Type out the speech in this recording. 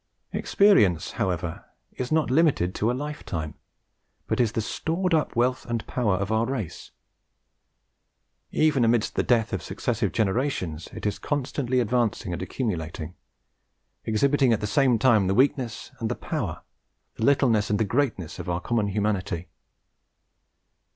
Experience, however, is not limited to a lifetime, but is the stored up wealth and power of our race. Even amidst the death of successive generations it is constantly advancing and accumulating, exhibiting at the same time the weakness and the power, the littleness and the greatness of our common humanity.